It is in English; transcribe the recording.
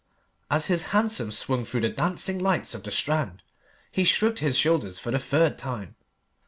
As his hansom swung through the dancing lights of the Strand, he shrugged his shoulders for the third time.